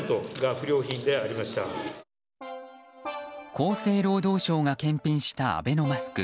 厚生労働省が検品したアベノマスク